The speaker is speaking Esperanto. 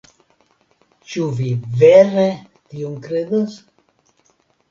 Ĉu vi vere tion kredas?